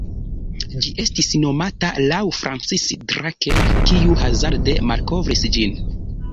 Ĝi estis nomata laŭ Francis Drake, kiu hazarde malkovris ĝin.